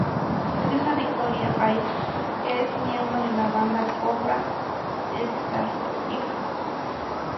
Su hija, Victoria Asher, es miembro de la banda Cobra Starship.